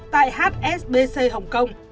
tại hsbc hồng kông